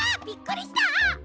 びっくりした！